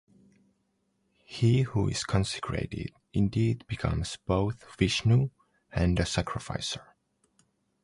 He who is consecrated indeed becomes both Vishnu and a sacrificer.